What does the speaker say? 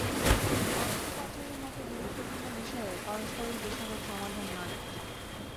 অর্থ পাচারের মতো গুরুত্বপূর্ণ বিষয়ে পারস্পরিক দোষারোপ সমাধান নয়।